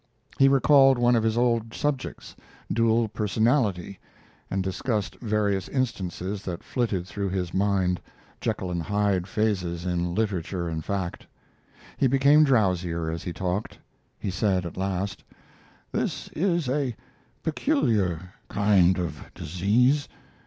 He recalled one of his old subjects, Dual Personality, and discussed various instances that flitted through his mind Jekyll and Hyde phases in literature and fact. He became drowsier as he talked. He said at last: "This is a peculiar kind of disease.